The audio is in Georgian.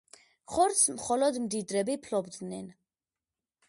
ხორცს მხოლოდ მდიდრები ფლობდნენ.